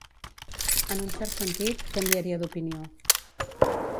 En un cert sentit, canviaria d'opinió.